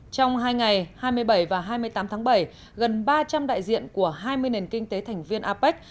trong hai ngày hai mươi bảy và hai mươi tám tháng bảy gần ba trăm linh đại diện của hai mươi nền kinh tế thành viên apec